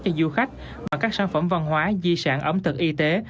cho du khách và các sản phẩm văn hóa di sản ẩm thực y tế